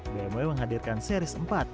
bmw menghadirkan seris empat